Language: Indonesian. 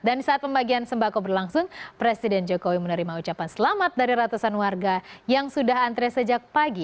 dan saat pembagian sembako berlangsung presiden jokowi menerima ucapan selamat dari ratusan warga yang sudah antre sejak pagi